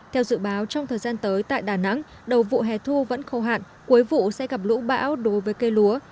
theo dự báo trong thời gian tới tại đà nẵng đầu vụ hè thu vẫn khâu hạn cuối vụ sẽ gặp lũ bão đối với cây lúa